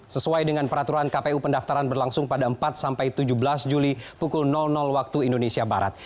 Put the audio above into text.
sesuai dengan peraturan kpu pendaftaran berlangsung pada empat sampai tujuh belas juli pukul waktu indonesia barat